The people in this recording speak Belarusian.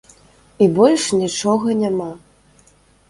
І больш нічога няма.